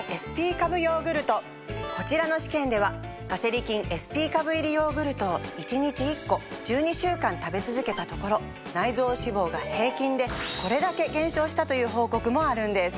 こちらの試験では「ガセリ菌ＳＰ株」入りヨーグルトを１日１個１２週間食べ続けたところ内臓脂肪が平均でこれだけ減少したという報告もあるんです。